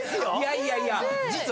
いやいや実はね